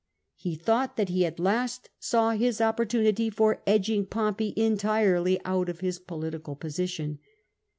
He thought that he at last saw his opportunity for edging Pompey entirely out of his political position.